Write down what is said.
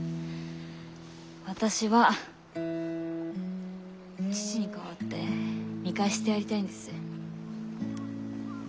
私は父に代わって見返してやりたいんです。